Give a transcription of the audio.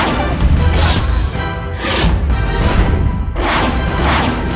tidak ada gunanya